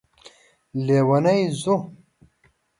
لیونی ځو